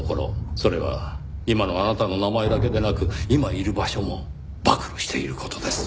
それは今のあなたの名前だけでなく今いる場所も暴露している事です。